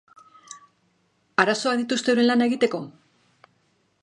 Arazoak dituzte euren lana egiteko?